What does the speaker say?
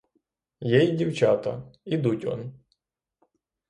Є і дівчата: ідуть он.